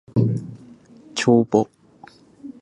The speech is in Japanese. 帳簿